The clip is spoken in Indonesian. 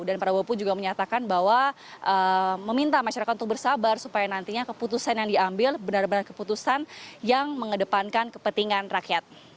dan prabowo pun juga menyatakan bahwa meminta masyarakat untuk bersabar supaya nantinya keputusan yang diambil benar benar keputusan yang mengedepankan kepentingan rakyat